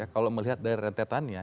kalau melihat dari rentetannya